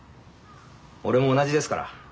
俺も同じですから。